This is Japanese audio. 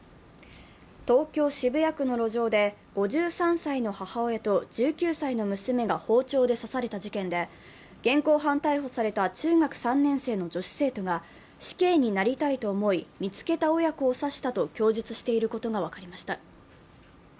東京・渋谷区の路上で、５３歳の母親と１９歳の娘が包丁で刺された事件で、現行犯逮捕された中学３年生の女子生徒が死刑になりたいと思い見つけた親子を刺したと供述していることが分かりました。